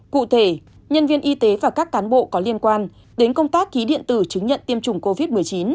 cụ thể nhân viên y tế và các cán bộ có liên quan đến công tác ký điện tử chứng nhận tiêm chủng covid một mươi chín